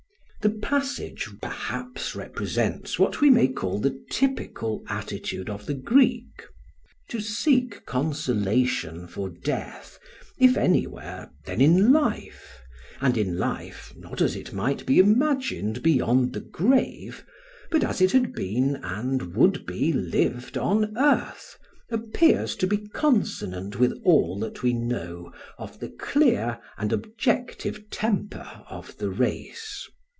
] The passage perhaps represents what we may call the typical attitude of the Greek. To seek consolation for death, if anywhere, then in life, and in life not as it might be imagined beyond the grave, but as it had been and would be lived on earth, appears to be consonant with all that we know of the clear and objective temper of the race.